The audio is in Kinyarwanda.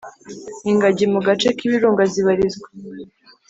ingagi mu gace k’Ibirunga zibarizwa